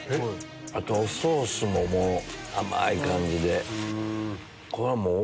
あとおソースも甘い感じで。